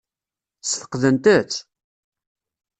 Ssfeqdent-tt?